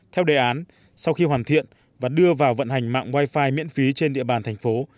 theo đề án sau khi hoàn thiện và đưa vào vận hành mạng wifi miễn phí trên địa bàn thành phố